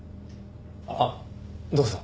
あっどうぞ。